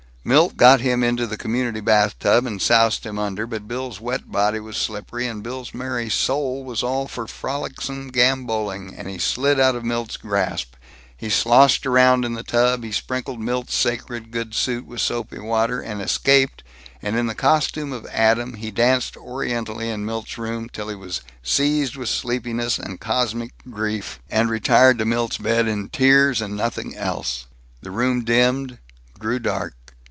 Milt got him into the community bathtub, and soused him under, but Bill's wet body was slippery, and Bill's merry soul was all for frolicsome gamboling, and he slid out of Milt's grasp, he sloshed around in the tub, he sprinkled Milt's sacred good suit with soapy water, and escaped, and in the costume of Adam he danced orientally in Milt's room, till he was seized with sleepiness and cosmic grief, and retired to Milt's bed in tears and nothing else. The room dimmed, grew dark.